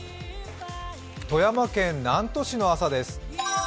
富山県南砺市の朝です。